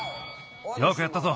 よくやったぞ。